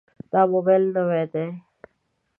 دا موبایل نوی دی.